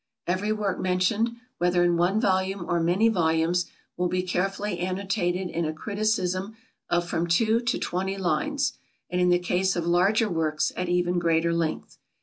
Every work mentioned whether in one volume or many volumes, will be carefully annotated in a criticism of from two to twenty lines, and in the case of larger works at even greater length.